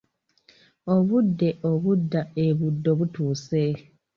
Obudde obudda e Buddo butuuse.